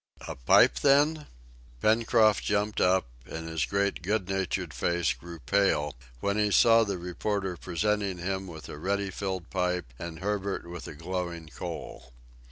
"A pipe, then?" Pencroft jumped up, and his great good natured face grew pale when he saw the reporter presenting him with a ready filled pipe, and Herbert with a glowing coal.